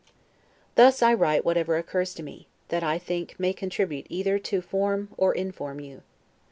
Thus I write whatever occurs to me, that I think may contribute either to form or inform you.